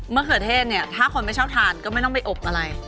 มะเขือเทศถ้าคนไม่ชอบทานก็ไม่ต้องอบอะไร